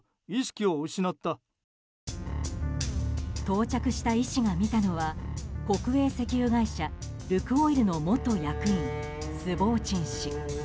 到着した医師が見たのは国営石油会社ルクオイルの元役員、スボーチン氏。